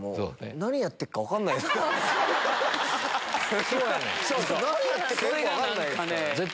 何やってるかよく分かんないですから。